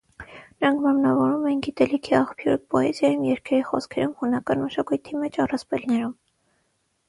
Նրանք մարմնավորում էին գիտելիքի աղբյուրը պոեզիայում, երգերի խոսքերում, հունական մշակույթի մեջ՝ առասպելներում։